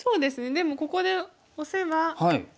でもここでオセば。